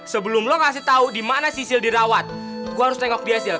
sebelum lo kasih tau dimana sisil dirawat gue harus tengok dihasil